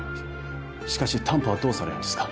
しかし担保はどうされるんですか